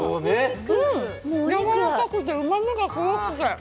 やわらかくてうまみがすごくて。